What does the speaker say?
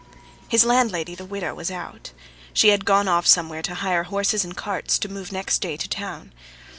His landlady, the widow, was out. She had gone off somewhere to hire horses and carts to move next day to town.